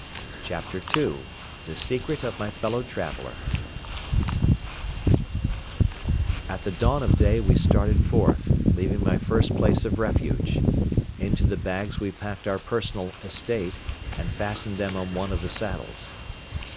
CHAPTER II THE SECRET OF MY FELLOW TRAVELER At the dawn of day we started forth, leaving my first place of refuge. Into the bags we packed our personal estate and fastened them on one of the saddles.